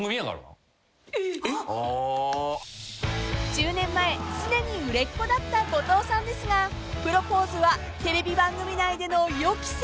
［１０年前すでに売れっ子だった後藤さんですがプロポーズはテレビ番組内での予期せぬ流れだったんだとか］